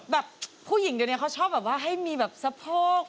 แบบผู้หญิงเดี๋ยวนี้เขาชอบแบบว่าให้มีแบบสะโพก